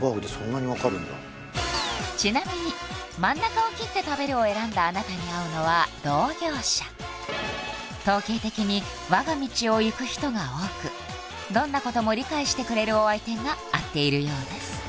ちなみに真ん中を切って食べるを選んだあなたに合うのは同業者統計的に我が道を行く人が多くどんなことも理解してくれるお相手が合っているようです